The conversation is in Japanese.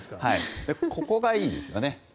ここがいいですよね。